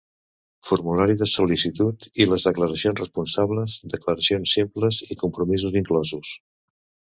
Formulari de sol·licitud i les declaracions responsables, declaracions simples i compromisos inclosos.